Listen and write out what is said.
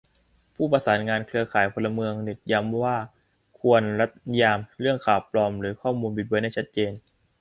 ผู้ประสานงานเครือข่ายพลเมืองเน็ตย้ำว่าควรรัฐนิยามเรื่องข่าวปลอม หรือ ข้อมูลบิดเบือนให้ชัดเจน